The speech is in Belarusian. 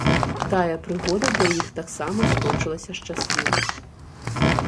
Тая прыгода для іх таксама скончылася шчасліва.